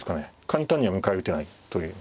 簡単には迎え撃てないという。